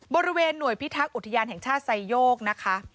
บริเวณหน่วยพิทักษ์อุทยานแห่งชาติไซโยกนะคะ